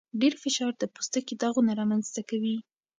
ډېر فشار د پوستکي داغونه رامنځته کوي.